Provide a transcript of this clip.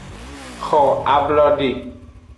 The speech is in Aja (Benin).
Xo ablode.